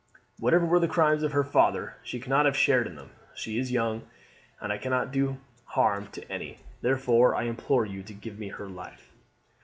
Whatever were the crimes of her father, she cannot have shared in them. She is young, and cannot do harm to any; therefore I implore you to give me her life."